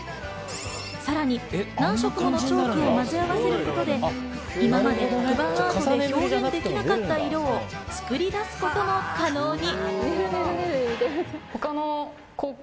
さらに何色ものチョークをまぜ合わせることで今まで黒板アートで表現できなかった色を作り出すことも可能に。